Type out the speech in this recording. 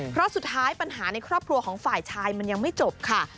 เพราะสุดท้ายปัญหาในครอบครัวของฝ่ายชายมันยังไม่จบค่ะ